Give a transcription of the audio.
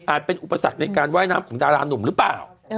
เป็นอุปสรรคในการว่ายน้ำของดารานุ่มหรือเปล่า